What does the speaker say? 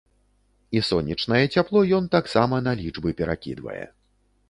І сонечнае цяпло ён таксама на лічбы перакідвае.